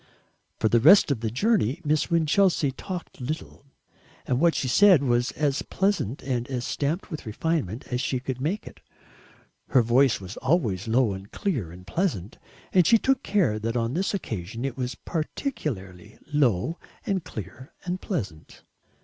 For the rest of the journey Miss Winchelsea talked little, and what she said was as pleasant and as stamped with refinement as she could make it. Her voice was always low and clear and pleasant, and she took care that on this occasion it was particularly low and clear and pleasant.